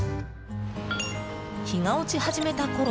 日が落ち始めたころ